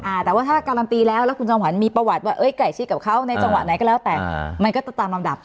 คุณจอมขวัญตีแล้วแล้วคุณจอมขวัญมีประวัติว่าเอ้ยไก่ชิดกับเขาในจังหวะไหนก็แล้วแต่มันก็ตามลำดับ